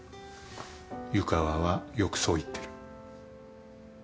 湯川はよくそう言ってる。